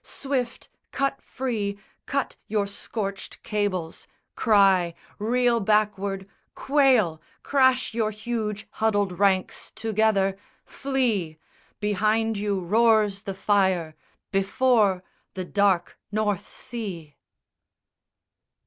Swift, cut free, Cut your scorched cables! Cry, reel backward, quail, Crash your huge huddled ranks together, flee! Behind you roars the fire, before the dark North Sea!